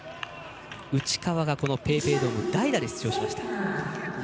内川がこのＰａｙＰａｙドーム代打で出場しました。